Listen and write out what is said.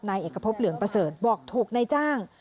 นายเอกพบเหลืองประเสริฐบอกถูกนายจ้าง